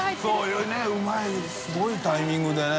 うまいすごいタイミングでね。